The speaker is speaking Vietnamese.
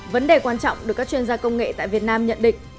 vấn đề quan trọng được các chuyên gia công nghệ tại việt nam nhận định